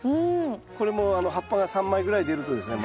これも葉っぱが３枚ぐらい出るとですね